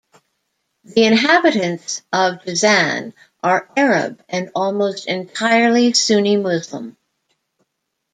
The inhabitants of Jazan are Arab and almost entirely Sunni Muslim.